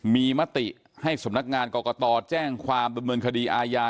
มีมติให้สำนักงานกรกตแจ้งความดำเนินคดีอาญา